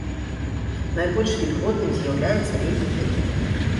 Найбольш вільготным з'яўляецца летні перыяд.